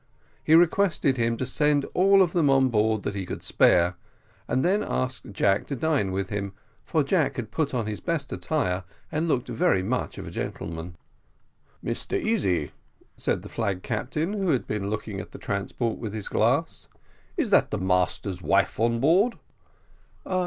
He requested him to send all of them on board that he could spare, and then asked Jack to dine with him, for Jack had put on his best attire, and looked very much of a gentleman. "Mr Easy," said the flag captain, who had been looking at the transport with his glass, "is that the master's wife on board?"